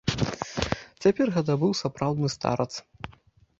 Цяпер гэта быў сапраўдны старац.